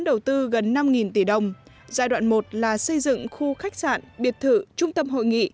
đầu tư gần năm tỷ đồng giai đoạn một là xây dựng khu khách sạn biệt thự trung tâm hội nghị